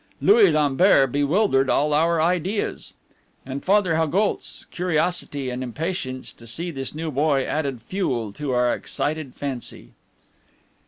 Louis Lambert bewildered all our ideas. And Father Haugoult's curiosity and impatience to see this new boy added fuel to our excited fancy.